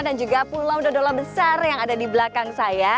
dan juga pulau dodola besar yang ada di belakang